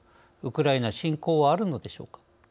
ウクライナ侵攻はあるのでしょうか。